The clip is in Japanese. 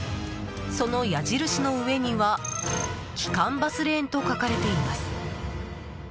その矢印の上には「基幹バスレーン」と書かれています。